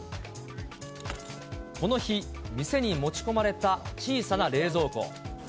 この日、店に持ち込まれた小さな冷蔵庫。